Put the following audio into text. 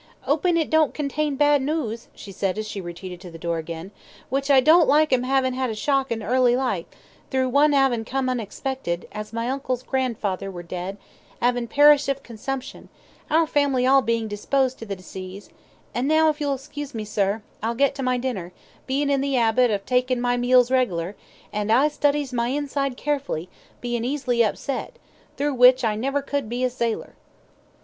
"'Opin' it don't contain bad noose," she said as she retreated to the door again, "which I don't like 'em 'avin' had a shock in early life thro' one 'avin' come unexpected, as my uncle's grandfather were dead, 'avin' perished of consumption, our family all being disposed to the disease and now, if you'll excuse me, sir, I'll get to my dinner, bein' in the 'abit of takin' my meals reg'lar, and I studies my inside carefully, bein' easily upset, thro' which I never could be a sailor."